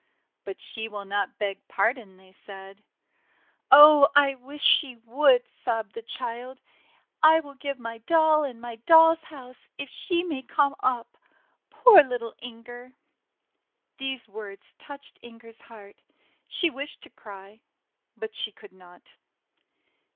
'But she will not beg pardon," they said. "Oh! I wish she would!' sobbed the child. 'I will give my doll and my doll's house, if she may come up! Poor little Inger!' These words touched Inger's heart; she wished to cry, but she could not.